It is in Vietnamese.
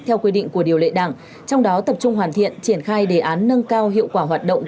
theo quy định của điều lệ đảng trong đó tập trung hoàn thiện triển khai đề án nâng cao hiệu quả hoạt động